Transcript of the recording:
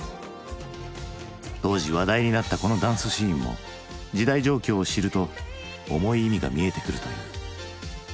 当時話題になったこのダンスシーンも時代状況を知ると重い意味が見えてくるという。